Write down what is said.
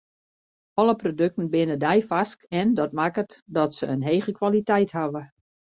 Alle produkten binne deifarsk en dat makket dat se in hege kwaliteit hawwe.